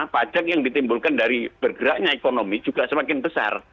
pajak yang ditimbulkan dari bergeraknya ekonomi juga semakin besar